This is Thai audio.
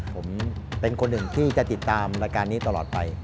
ผมเป็นคนหนึ่งที่จะติดตามรายการนี้ตลอดไป